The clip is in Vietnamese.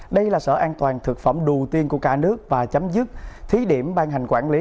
đây là sở an toàn thực phẩm đầu tiên của cả nước và chấm dứt thí điểm ban hành quản lý